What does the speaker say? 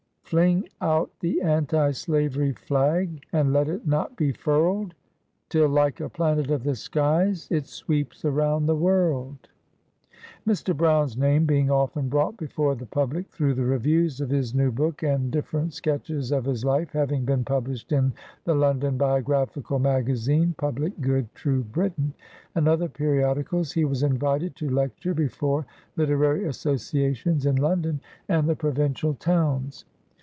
Fling out the an ti slavery flag, And let it not be furled, Till like a planet of the skies, It sweeps around the world !" Mr. Brown's name being often brought before the public through the reviews of his new book, and dif ferent sketches of his life having been published in the London Biographical Magazine, Public Good. True Briton, and other periodicals, he was invited to lecture before literary associations in London and the provincial towns.